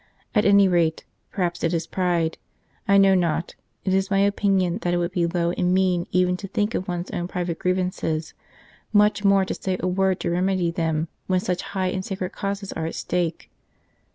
At any rate perhaps it is pride, I know not it is my opinion that it would be low and mean even to think of one s own private grievances, much more to say a word to remedy them when such high and sacred causes are at stake.